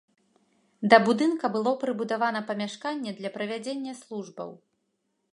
Да будынка было прыбудавана памяшканне для правядзення службаў.